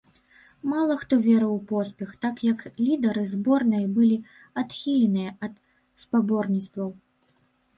Мала хто верыў у поспех, так як лідары зборнай былі адхіленыя ад спаборніцтваў.